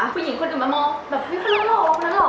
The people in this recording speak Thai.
ผู้หญิงคนอื่นมามองแบบคนนั้นหรอคนนั้นหรอ